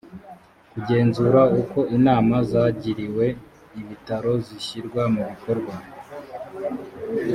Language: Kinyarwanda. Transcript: kugenzura uko inama zagiriwe ibitaro zishyirwa mu bikorwa